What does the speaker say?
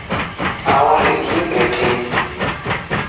آن لکي ٻيٺي